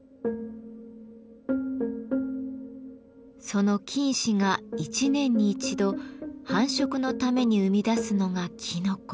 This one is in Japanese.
その菌糸が一年に一度繁殖のために生み出すのがきのこ。